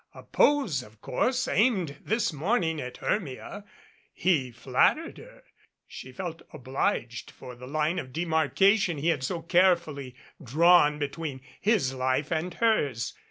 A pose, of course, aimed this morning at Hcrmia. He flat tered her. She felt obliged for the line of demarcation he had so carefully drawn between his life and hers.